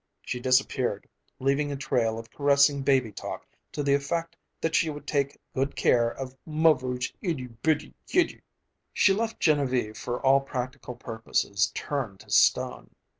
She disappeared, leaving a trail of caressing baby talk to the effect that she would take good care of muvver's ittie bittie kittie. She left Genevieve for all practical purposes turned to stone.